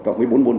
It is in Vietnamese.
cộng với bốn môn